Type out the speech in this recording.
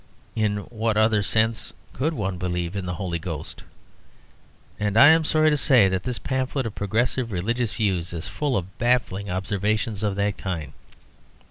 In what other sense could one believe in the Holy Ghost? And I am sorry to say that this pamphlet of progressive religious views is full of baffling observations of that kind.